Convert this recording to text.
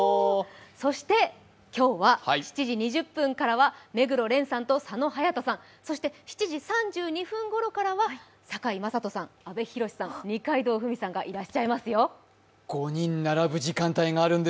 そして、今日は７時２０分からは目黒蓮さんと佐野勇斗さんそして７時３２分ごろからは堺雅人さん、阿部寛さん、二階堂ふみさんがいらっしゃいますよ。